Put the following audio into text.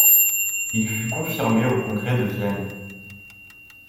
Il fut confirmé au Congrès de Vienne.